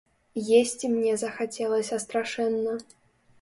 Есці мне захацелася страшэнна.